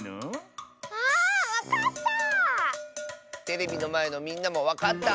テレビのまえのみんなもわかった？